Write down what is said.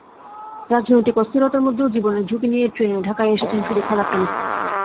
রাজনৈতিক অস্থিরতার মধ্যেও জীবনের ঝুঁকি নিয়ে ট্রেনে ঢাকায় এসেছেন শুধু খেলার টানে।